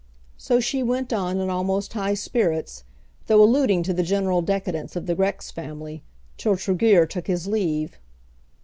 So she went on in almost high spirits, though alluding to the general decadence of the Grex family, till Tregear took his leave.